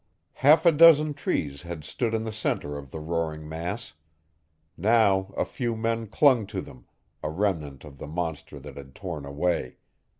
Half a dozen trees had stood in the centre of the roaring mass. Now a few men clung to them a remnant of the monster that had torn away.